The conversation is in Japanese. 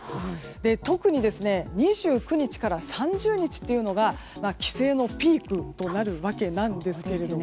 特に２９日から３０日というのが帰省のピークとなるわけなんですけれども。